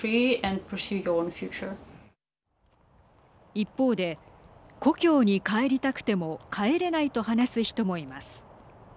一方で、故郷に帰りたくても帰れないと話す人もいます。